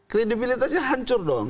kredibilitasnya hancur dong